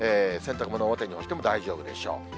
洗濯物、表に干しても大丈夫でしょう。